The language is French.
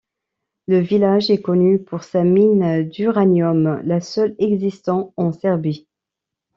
Le village est connu pour sa mine d'uranium, la seule existant en Serbie.